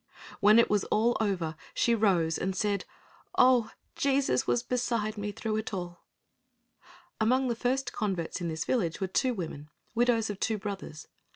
When all was over, she rose and said, "Oh, Jesus was beside me through it all." Among the first converts in this village were two women, widows of two brothers.